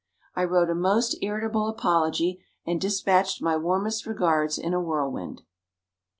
I wrote a most irritable apology, and despatched my warmest regards in a whirlwind.